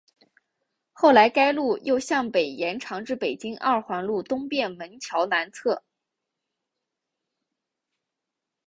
后来该路又向北延长至北京二环路东便门桥南侧。